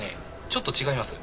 ちょっと違います。